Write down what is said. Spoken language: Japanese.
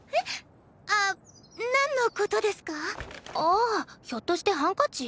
ああひょっとしてハンカチ？